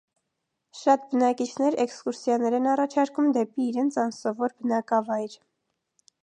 Շատ բնակիչներ էքսկուրսիաներ են առաջարկում դեպի իրենց անսովոր բնակավայր։